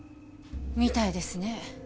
みたいですね。